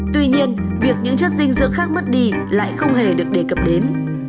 tuy nhiên việc những chất dinh dưỡng khác mất đi lại không hề được đề cập đến